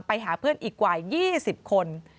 ไปหาเพื่อนอีกกว่า๒๐คน